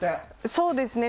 そうですね。